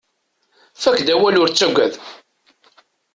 Fakk-d awal ur ttagad.